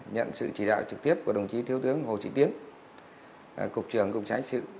nhận sự chỉ đạo trực tiếp của đồng chí thiếu tướng hồ chí tiến cục trưởng cục trái sự